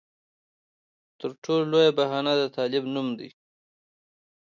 تر ټولو لویه بهانه د طالب نوم دی.